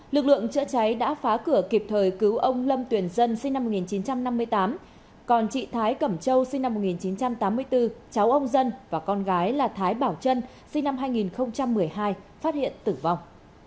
lực lượng chữa cháy đã phá cửa kịp thời cứu ông lâm tuyển dân sinh năm một nghìn chín trăm năm mươi tám còn chị thái cẩm châu sinh năm một nghìn chín trăm tám mươi bốn cháu ông dân và con gái là thái bảo trân sinh năm hai nghìn một mươi hai phát hiện tử vong